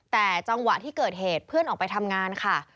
แต่จังหวะที่เกิดเหตุเพื่อนออกไปทำงานค่ะ